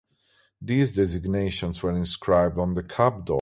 These designations were inscribed on the cab door.